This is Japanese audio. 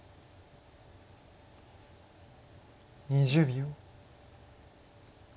２０秒。